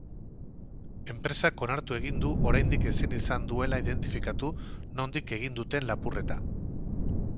Enpresak onartu egin du oraindik ezin izan duela identifikatu nondik egin duten lapurreta.